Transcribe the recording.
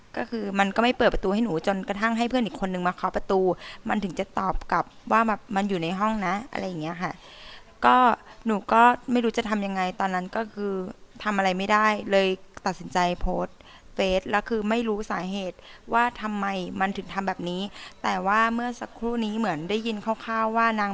ก็คือมันก็ไม่เปิดประตูให้หนูจนกระทั่งให้เพื่อนอีกคนนึงมาเคาะประตูมันถึงจะตอบกลับว่าแบบมันอยู่ในห้องนะอะไรอย่างเงี้ยค่ะก็หนูก็ไม่รู้จะทำยังไงตอนนั้นก็คือทำอะไรไม่ได้เลยตัดสินใจโพสต์เฟสแล้วคือไม่รู้สาเหตุว่าทำไมมันถึงทำแบบนี้แต่ว่าเมื่อสักครู่นี้เหมือนได้ยินคร่าวว่านาง